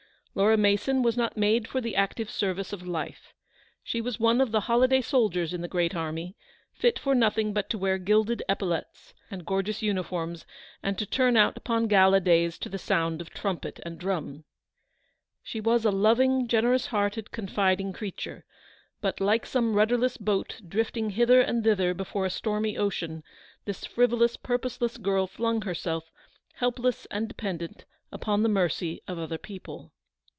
Laura Mason was not made for the active ser vice of life. She was one of the holiday soldiers in the great army, fit for nothing but to wear gilded epaulettes and gorgeous uniforms, and to turn out upon gala days to the sound of trumpet and drum. She was a loving, generous hearted, confiding creature ; but, like some rudderless boat drifting hither and thither before a stormy ocean, this frivolous, purposeless girl flung herself, helpless and dependent, upon the mercy of other people.